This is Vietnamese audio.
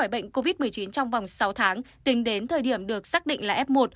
bệnh covid một mươi chín trong vòng sáu tháng tính đến thời điểm được xác định là f một